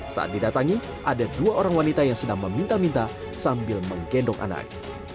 saat didatangi ada dua orang wanita yang senang meminta minta sambil menggendong anak